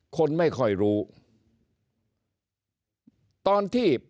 คนไม่ค่อยรู้ตอนที่